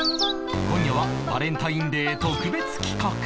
今夜はバレンタインデー特別企画